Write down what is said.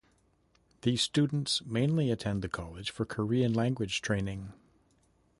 These students mainly attend the college for Korean language training.